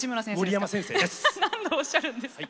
何度おっしゃるんですか。